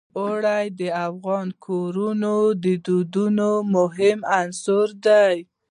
اوړي د افغان کورنیو د دودونو مهم عنصر دی.